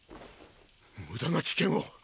無駄な危険を！